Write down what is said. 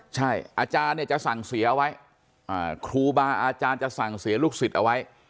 ใช่อาจารย์เนี่ยจะสั่งเสียเอาไว้ครูบาอาจารย์จะสั่งเสียลูกศิษย์เอาไว้